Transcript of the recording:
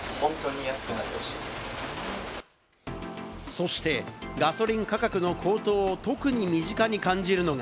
そしてガソリン価格の高騰を特に身近に感じるのが。